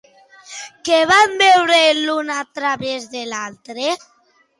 Què van veure, l'un a través de l'altre?